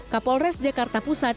kapolres jakarta pusat